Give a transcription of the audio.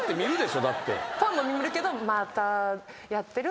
ファンも見るけど。